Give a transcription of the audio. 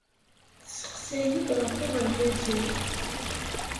Tesseqsa-iyi-d ɣef uɣerbaz-iw.